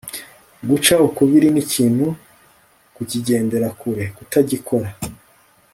guca ukubiri n'ikintu kukigendera kure, kutagikora